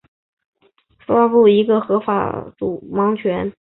自雅西顿国王亚瑞吉来布一世的合法王权。